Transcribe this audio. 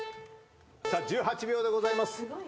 さあ１８秒でございます。